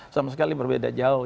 sama sekali berbeda jauh